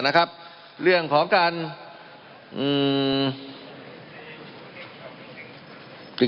มันมีมาต่อเนื่องมีเหตุการณ์ที่ไม่เคยเกิดขึ้น